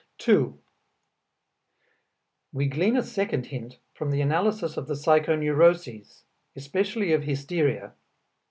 2. We glean a second hint from the analysis of the psychoneuroses, especially of hysteria.